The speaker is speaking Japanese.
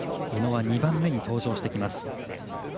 宇野は２番目に登場します。